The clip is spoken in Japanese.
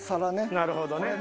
なるほどね。